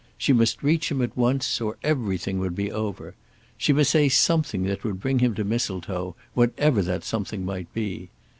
She must reach him at once, or everything would be over. She must say something that would bring him to Mistletoe, whatever that something might be.